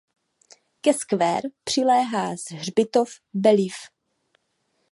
Ke square přiléhá hřbitov Belleville.